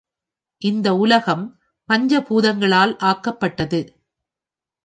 இந்த உலகம் பஞ்ச பூதங்களால் ஆக்கப்பட்டது.